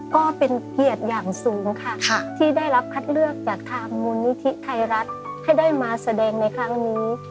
ก็เป็นเกียรติอย่างสูงค่ะที่ได้รับคัดเลือกจากทางมูลนิธิไทยรัฐให้ได้มาแสดงในครั้งนี้